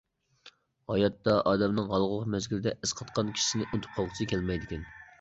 ھاياتتا ئادەمنىڭ ھالقىلىق مەزگىلدە ئەسقاتقان كىشىسىنى ئۇنتۇپ قالغۇسى كەلمەيدىكەن.